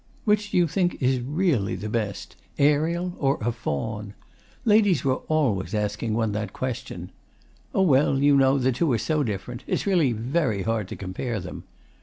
'Which do you think is REALLY the best "Ariel" or "A Faun"?' Ladies were always asking one that question. 'Oh, well, you know, the two are so different. It's really very hard to compare them.